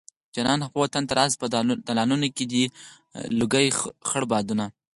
جانانه خپل وطن ته راشه په دالانونو کې دې لګي خړ بادونه